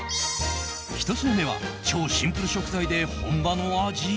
１品目は超シンプル食材で本場の味？